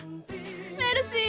メルシー！